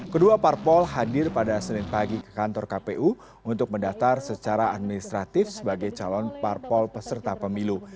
kedua parpol hadir pada senin pagi ke kantor kpu untuk mendaftar secara administratif sebagai calon parpol peserta pemilu